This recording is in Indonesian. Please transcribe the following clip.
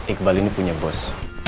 iqbal ini punya bos